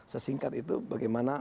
sesingkat itu bagaimana